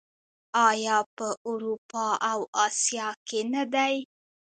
آیا په اروپا او اسیا کې نه دي؟